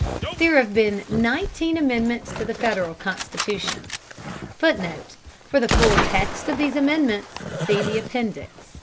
There have been nineteen Amendments to the Federal Constitution. [Footnote: For the full text of these Amendments see the Appendix.